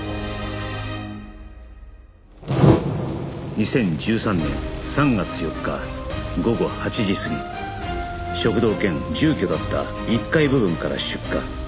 ２０１３年３月４日午後８時過ぎ食堂兼住居だった１階部分から出火